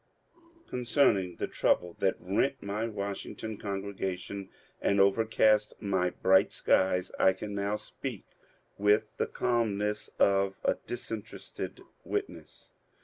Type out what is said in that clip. Concerning the troable that rent my Washington congregar tion and overcast my bright skies, I can now speak with the caknness of a disinterested witness.